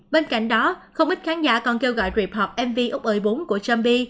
bên cạnh đó không ít khán giả còn kêu gọi rip hop mv úc ơi bốn